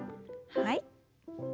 はい。